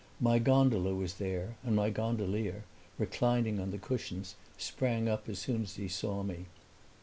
My gondola was there and my gondolier, reclining on the cushions, sprang up as soon as he saw me.